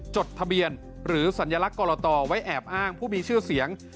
จดทะเบียนหรือสัญลักษณ์กรตไว้แอบอ้างผู้มีชื่อเสียง